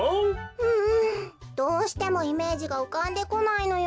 うんどうしてもイメージがうかんでこないのよ。